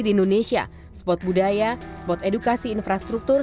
di indonesia spot budaya spot edukasi infrastruktur